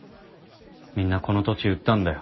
みんなこの土地売ったんだよ